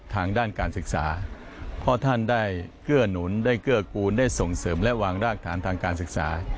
ทางด้านการศึกษาเพราะท่านได้เกื้อหนุนได้เกื้อกูลได้ส่งเสริมและวางรากฐานทางการศึกษา